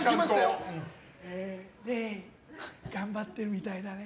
れい、頑張ってるみたいだね。